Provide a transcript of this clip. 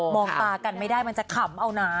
ตากันไม่ได้มันจะขำเอานะ